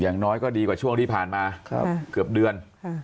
อย่างน้อยก็ดีกว่าช่วงที่ผ่านมาเกือบเดือน